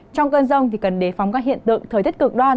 trong cơn rông thì cần đề phòng các hiện tượng thời tiết cực đoan